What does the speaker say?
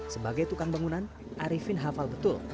sebagai tukang bangunan arifin hafal betul